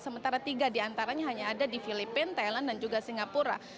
sementara tiga diantaranya hanya ada di filipina thailand dan juga singapura